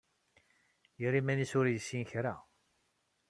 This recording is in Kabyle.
Yerra iman-is ur yessin kra.